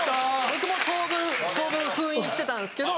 僕も当分封印してたんですけど。